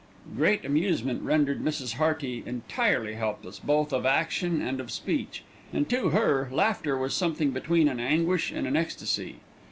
Great amusement rendered Mrs. Hearty entirely helpless, both of action and of speech, and to her laughter was something between an anguish and an ecstasy.